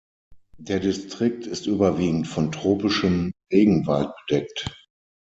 Der Distrikt ist überwiegend von tropischem Regenwald bedeckt.